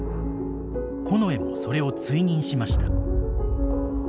近衛もそれを追認しました。